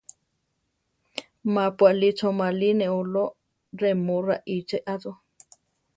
Ma pu aʼlí choʼmarí neʼólo, remó raʼiche ‘a cho.